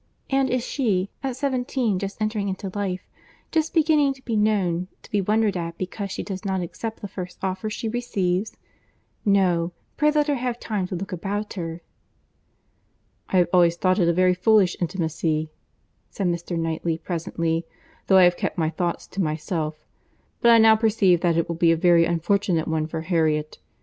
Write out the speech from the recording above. And is she, at seventeen, just entering into life, just beginning to be known, to be wondered at because she does not accept the first offer she receives? No—pray let her have time to look about her." "I have always thought it a very foolish intimacy," said Mr. Knightley presently, "though I have kept my thoughts to myself; but I now perceive that it will be a very unfortunate one for Harriet.